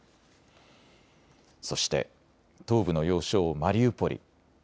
そして、東部の要衝マリウポリ。